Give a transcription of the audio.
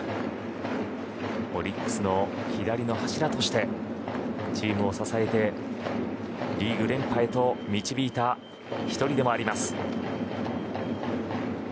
オリックスの左の柱としてチームを支えてリーグ連覇へ導いた１人でもある田嶋。